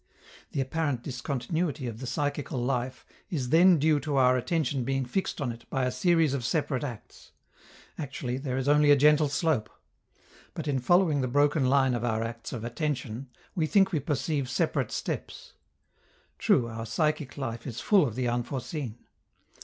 The apparent discontinuity of the psychical life is then due to our attention being fixed on it by a series of separate acts: actually there is only a gentle slope; but in following the broken line of our acts of attention, we think we perceive separate steps. True, our psychic life is full of the unforeseen.